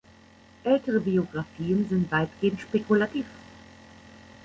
Ältere Biographien sind weitgehend spekulativ.